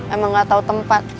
emang gak tau tempat